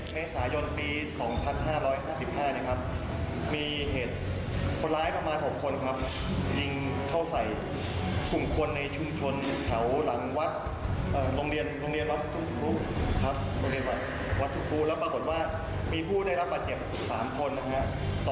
มีคนร้ายประมาณ๖คนครับยิงเข้าใส่สุ่มคนในชุมชนเฉาหลังวัดโรงเรียนวัดศุภูครับโรงเรียนวัดวัดศุภูแล้วปรากฏว่ามีผู้ได้รับประเจ็บ๓คนครับ